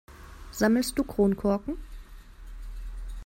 Sammelst du Kronkorken?